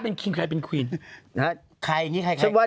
ก็ไม่ได้ร่างเกียจหรอกแต่ว่า